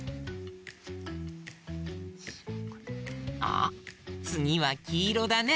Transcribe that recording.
あっつぎはきいろだね。